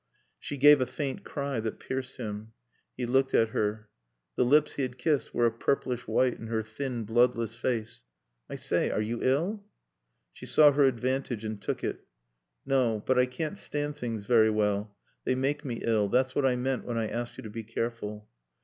She gave a faint cry that pierced him. He looked at her. The lips he had kissed were a purplish white in her thin bloodless face. "I say, are you ill?" She saw her advantage and took it. "No. But I can't stand things very well. They make me ill. That's what I meant when I asked you to be careful."